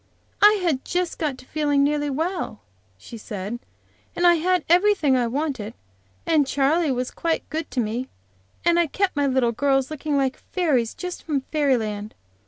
"I had just got to feeling nearly well," she said, "and I had everything I wanted, and Charley was quite good to me, and I kept my little girls looking like fairies, just from fairy land.